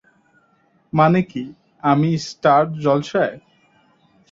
মানে কি? আমি স্টার জলসায়।